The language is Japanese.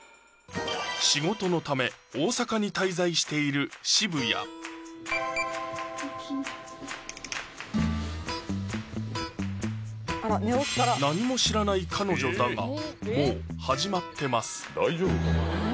仕事のため大阪に滞在している渋谷起きなきゃ何も知らない彼女だがもう始まってます大丈夫なの？